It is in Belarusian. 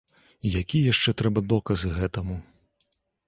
Якія яшчэ трэба доказы гэтаму?